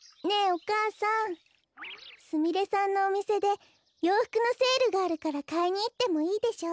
お母さんすみれさんのおみせでようふくのセールがあるからかいにいってもいいでしょ？